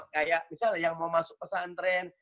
kayak misalnya yang mau masuk pesantren